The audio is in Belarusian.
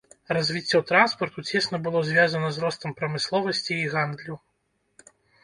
Развіццё транспарту цесна было звязана з ростам прамысловасці і гандлю.